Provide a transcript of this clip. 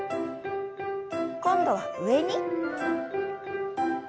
今度は上に。